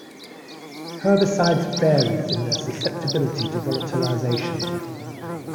Herbicides vary in their susceptibility to volatilisation.